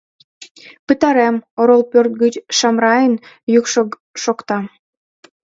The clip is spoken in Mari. — Пытарем, — орол пӧрт гыч Шамрайын йӱкшӧ шокта.